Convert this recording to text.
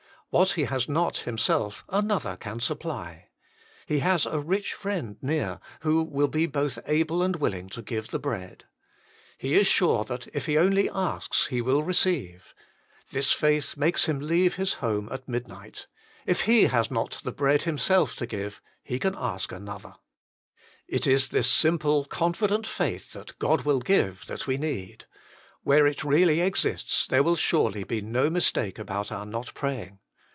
What he has not himself, another can supply. He has a rich friend near, who will be both able and willing to give the bread. He is sure that if he only asks, he will receive. This faith makes him leave his home at midnight : if he has not the bread himself to give, he can ask another. 38 THE MINISTRY OP INTERCESSION It is this simple, confident faith that God will give, that we need: where it really exists, there will surely be no mistake about our not praying.